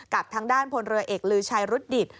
กับทางด้านพลเรือเอกลือชัยรุดดิต